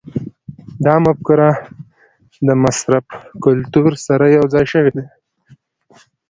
دا مفکوره د مصرف کلتور سره یوځای شوې ده.